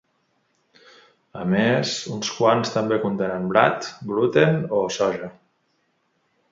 A més uns quants també contenen blat, gluten o soja.